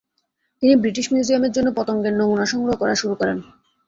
তিনি ব্রিটিশ মিউজিয়ামের জন্য পতঙ্গের নমুনা সংগ্রহ করা শুরু করেন।